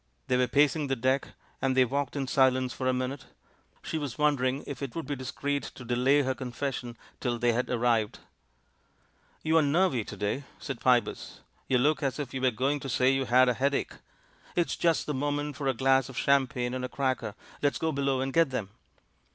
They were pacing the deck, and they walked in silence for a minute. She was wondering if it would be discreet to de lay her confession till they had arrived. "You're nervy to day," said Pybus. "You look as if you were going to say you had a head ache. It's just the moment for a glass of cham pagne and a cracker. Let's go below and get them."